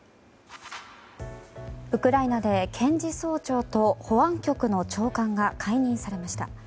ウクライナで検事総長と保安局の長官が解任されました。